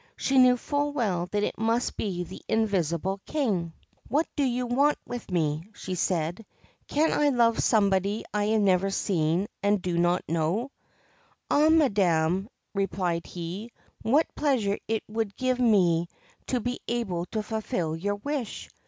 She knew full well that it must be the invisible King. ' What do you want with me ?' she said. ' Can I love somebody I have never seen and do not know ?'' Ah I madam,' replied he, ' what pleasure it would give me to be able to fulfil your wish